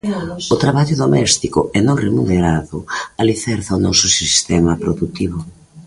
O traballo doméstico e non remunerado alicerza o noso sistema produtivo.